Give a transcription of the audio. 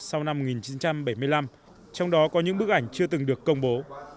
sau năm một nghìn chín trăm bảy mươi năm trong đó có những bức ảnh chưa từng được công bố